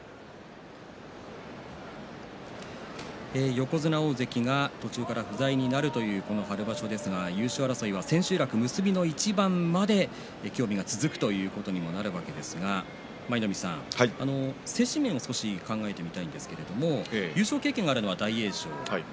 横綱、大関が途中から不在になるというこの春場所ですが優勝争いは千秋楽結びの一番まで興味が続くということになるわけですが舞の海さん、精神面を少し考えてみたいんですが優勝経験があるのは大栄翔。